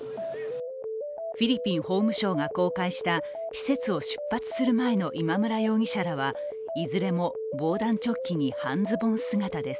フィリピン法務省が公開した施設を出発する前の今村容疑者らはいずれも防弾チョッキに半ズボン姿です。